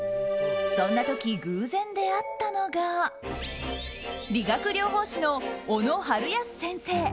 そんな時、偶然出会ったのが理学療法士の小野晴康先生。